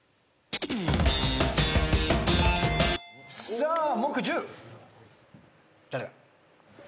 さあ木１０。